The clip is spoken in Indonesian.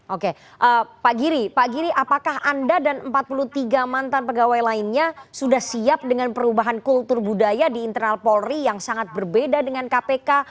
oke pak giri pak giri apakah anda dan empat puluh tiga mantan pegawai lainnya sudah siap dengan perubahan kultur budaya di internal polri yang sangat berbeda dengan kpk